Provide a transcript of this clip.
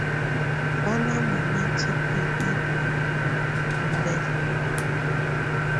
Bà ná munà tikǝ́ bibuǝ́ ɔmbela.